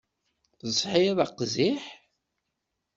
Tesɛiḍ aqziḥ?